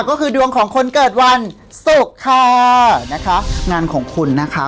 ก็คือดวงของคนเกิดวันศุกร์ค่ะนะคะงานของคุณนะคะ